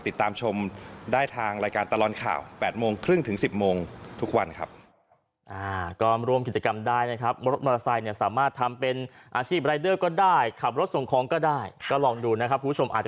ติดตามชมได้ทางรายการตลอดข่าว๘โมงครึ่งถึง๑๐โมงทุกวันครับ